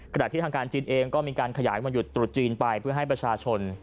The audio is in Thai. ที่ทางการจีนเองก็มีการขยายวันหยุดตรุษจีนไปเพื่อให้ประชาชน